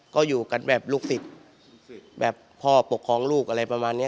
ก็อยู่กันแบบลูกศิษย์แบบพ่อปกครองลูกอะไรประมาณนี้